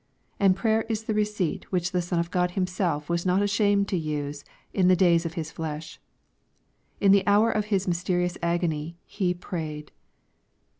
And prayer is the receipt which the Son of God Himself was not ashamed to use in the days of His flesh. In the hour of His mysterious agony He "prayed."